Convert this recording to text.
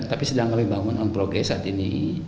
tapi sedang membangun on progress saat ini